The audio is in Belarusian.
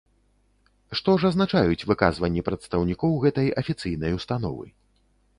Што ж азначаюць выказванні прадстаўнікоў гэтай афіцыйнай установы?